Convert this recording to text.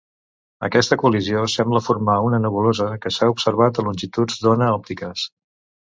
Aquesta col·lisió sembla formar una nebulosa que s'ha observat a longituds d'ona òptiques.